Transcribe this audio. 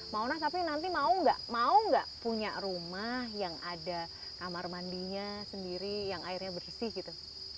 maona tapi nanti mau gak punya rumah yang ada kamar mandinya sendiri yang airnya bersih gitu